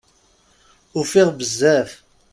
Ufiɣ bezzaf.